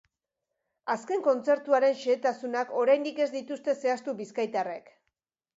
Azken kontzertuaren xehetasunak oraindik ez dituzte zehaztu bizkaitarrek.